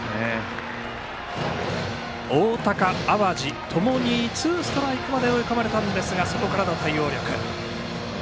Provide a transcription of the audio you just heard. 大高、淡路ともにツーストライクまで追い込まれたんですがそこからの対応力。